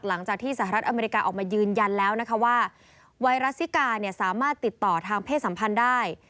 หลังจากที่สหรัฐอเมริกาออกมายืนยันแล้วนะคะว่าไวรัสซิกาเนี่ยสามารถติดต่อทางเพศสัมพันธ์ได้